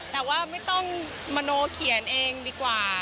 แต่ว่าไม่ต้องมโนเขียนเองดีกว่า